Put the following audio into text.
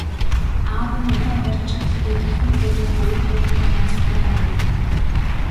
Аав нь уураа барьж чадалгүй дахин хүүгээ хоёр гурван удаа цохиод авав.